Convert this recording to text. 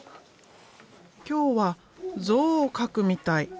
今日はゾウを描くみたい。